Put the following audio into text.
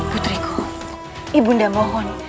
putriku ibunda mohon